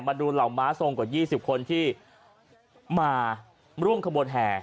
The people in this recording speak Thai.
เหล่าม้าทรงกว่า๒๐คนที่มาร่วมขบวนแห่